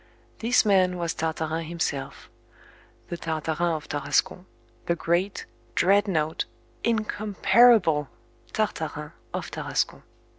This man was Tartarin himself the Tartarin of Tarascon, the great, dreadnought, incomparable Tartarin of Tarascon.